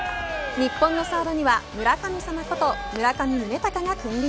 日本のサードには村神様こと村上宗隆が君臨。